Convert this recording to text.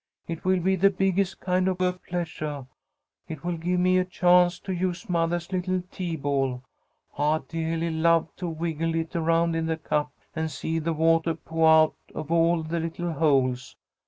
"It will be the biggest kind of a pleasuah. It will give me a chance to use mothah's little tea ball. I deahly love to wiggle it around in the cup and see the watah po'ah out of all the little holes.